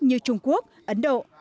như trung quốc ấn độ